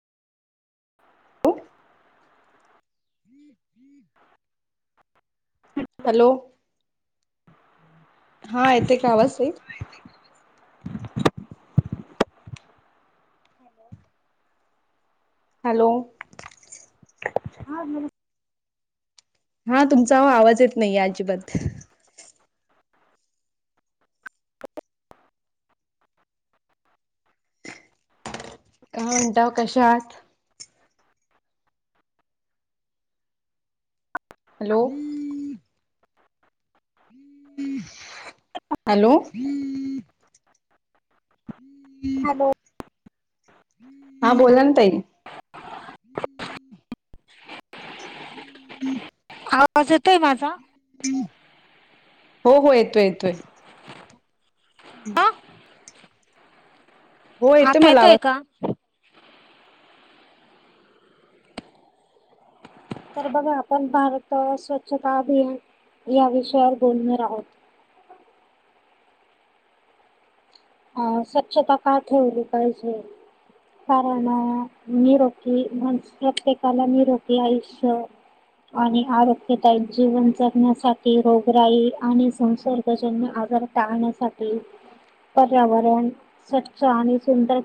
Hello hello हा येतोय का आवाज तई. हॅलो. हा [unintelligible] हा तुमचा ह आवाज येत नाहीे अजिबात. का म्हणताव कशा आहात. हॅलो. हॅलो हॅलो हा बोला ना तई. हम् आवाज येतोय माझा. हो हो येतोय येतोय. [inaudible] [inaudible] हो येतोय मला आवाज. का तर बघा आपण भारत स्वच्छता अभियान या विषयावर बोलणार आहोत. हा स्वच्छता काय ठेवली पाहिजे. कारण निरोगी म्हण प्रत्येकाला निरोगी आयुष्य आणि आरोग्यदायी जीवन जगण्यासाठी रोगराई आणि संसर्गजन्य आजार टाळण्यासाठी. पर्यावरण स्वच्छ आणि सुंदर